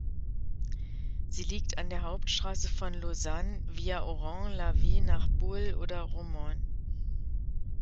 Sie liegt an der Hauptstrasse von Lausanne via Oron-la-Ville nach Bulle oder Romont.